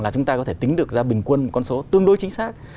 là chúng ta có thể tính được ra bình quân một con số tương đối chính xác